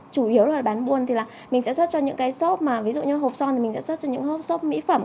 chủ yếu là bán buôn thì là mình sẽ xuất cho những cái xop mà ví dụ như hộp son thì mình sẽ xuất cho những hốc mỹ phẩm